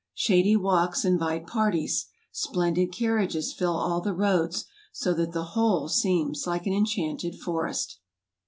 Shady walks invite par¬ ties ; splendid carriages fill all the roads; so that the whole seems like an enchanted forest.